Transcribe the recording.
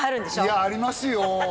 いやありますよ